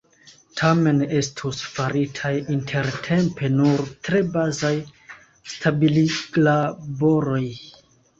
Tamen estus faritaj intertempe nur tre bazaj stabiliglaboroj.